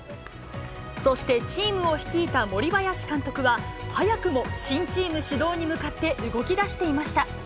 そしてチームを率いた森林監督は、早くも新チーム始動に向かって動きだしていました。